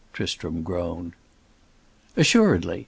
Tristram groaned. "Assuredly.